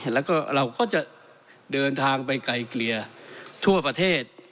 แล้วก็เราก็จะเดินทางไปไกลเกลี่ยทั่วประเทศ